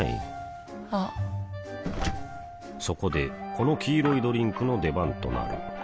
あっそこでこの黄色いドリンクの出番となる